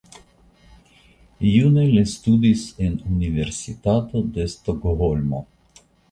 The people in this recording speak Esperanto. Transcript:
June li studis en Universitato de Stokholmo.